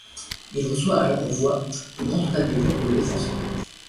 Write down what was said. Il reçoit alors voix, plus grand total des voix pour les défenseurs.